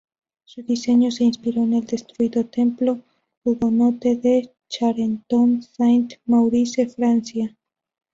Su diseño se inspiró en el destruido templo hugonote de Charenton-Saint-Maurice, Francia.